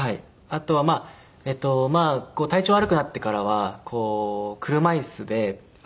あとは体調悪くなってからは車椅子で。